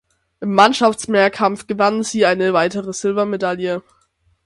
Im Mannschaftsmehrkampf gewann sie eine weitere Silbermedaille.